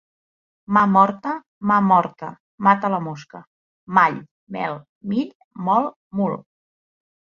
Mà morta, mà morta, mata la mosca. Mall, mel, mill, molt, mul.